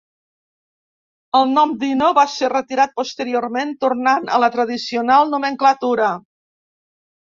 El nom Dino, va ser retirat posteriorment tornant a la tradicional nomenclatura.